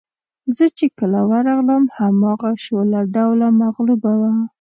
زه چې کله ورغلم هماغه شوله ډوله مغلوبه وه.